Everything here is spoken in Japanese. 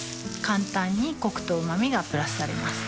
簡単にコクとうま味がプラスされます